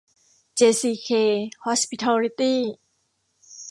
เจซีเค ฮอสพิทอลลิตี้